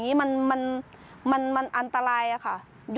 นี่แหละค่ะท้ายที่สุด